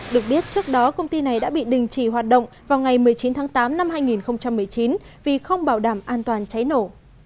được biết trước đó công ty này đã bị đình chỉ hoạt động vào ngày một mươi chín tháng tám năm hai nghìn một mươi chín vì không bảo đảm an toàn cháy nổ